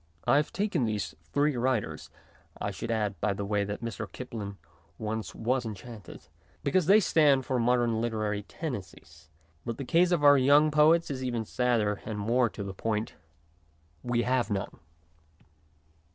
I have taken these three writers (I should add, by the way, that Mr. Kipling once was enchanted), because they stand for modern literary tendencies ; but the case of our young poets is even sadder and more to the point. We have none.